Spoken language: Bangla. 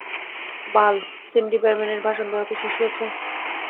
বাল, সিন্ডি বারম্যান এর ভাষণ দেয়া কি শেষ হয়েছে?